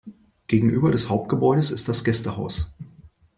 Gegenüber des Hauptgebäudes ist das Gästehaus.